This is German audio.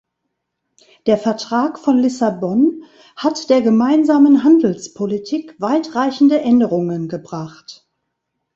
Der Vertrag von Lissabon hat der gemeinsamen Handelspolitik weitreichende Änderungen gebracht.